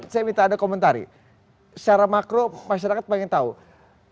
saya minta anda komentari secara makro masyarakat mau tahu best choice gak kiai haji maruf amin